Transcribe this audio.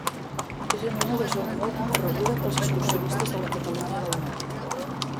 És en una de zona molt concorreguda pels excursionistes de la Catalunya del Nord.